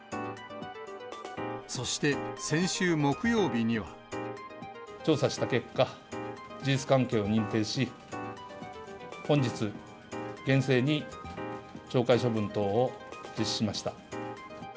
そして、調査した結果、事実関係を認定し、本日、厳正に懲戒処分等を実施しました。